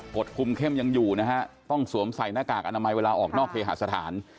คุมเข้มยังอยู่นะฮะต้องสวมใส่หน้ากากอนามัยเวลาออกนอกเคหาสถาน